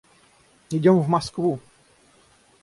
Идем в Москву!